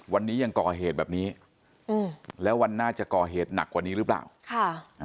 วันนี้ยังก่อเหตุแบบนี้อืมแล้ววันหน้าจะก่อเหตุหนักกว่านี้หรือเปล่าค่ะอ่า